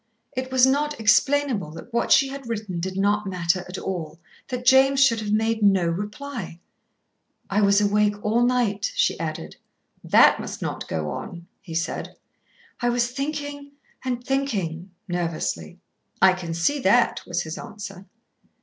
It was not explainable that what she had written did not matter at all, that James should have made no reply. "I was awake all night," she added. "That must not go on," he said. "I was thinking and thinking," nervously. "I can see that," was his answer.